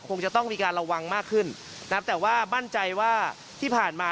คงจะต้องมีการระวังมากขึ้นนะครับแต่ว่ามั่นใจว่าที่ผ่านมา